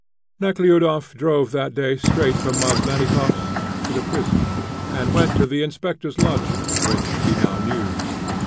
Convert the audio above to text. Nekhludoff drove that day straight from Maslennikoff's to the prison, and went to the inspector's lodging, which he now knew.